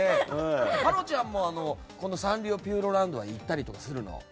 芭路ちゃんもこのサンリオピューロランドは行ったりするの？